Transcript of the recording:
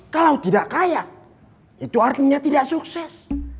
kalau tidak kaya itu artinya tidak sukses